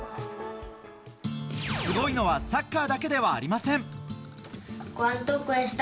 すごいのはサッカーだけではありません。